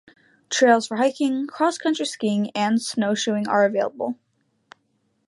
Trails for hiking, cross-country skiing and snowshoeing are available.